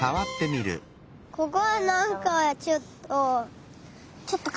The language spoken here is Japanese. ここはなんかちょっと。